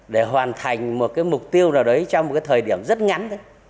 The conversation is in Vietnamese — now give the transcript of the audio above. để hoàn thành một mục tiêu nào đấy trong một thời điểm rất ngắn